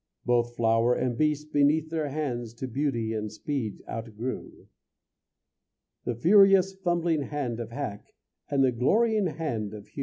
Both flower and beast beneath their hands To beauty and speed outgrew, The furious fumbling hand of Hack, And the glorying hand of Hew.